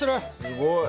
すごい！